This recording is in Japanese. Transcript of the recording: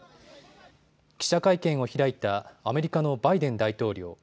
記者会見を開いたアメリカのバイデン大統領。